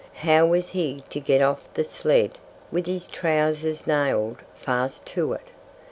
How was he to get off the sled with his trousers nailed fast to it?